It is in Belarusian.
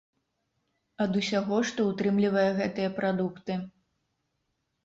Ад усяго, што ўтрымлівае гэтыя прадукты.